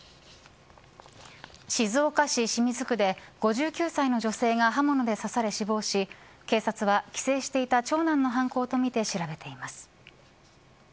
静岡市清水区で５９歳の女性が刃物で刺され死亡し警察は帰省していた長男の犯行とみて調べています。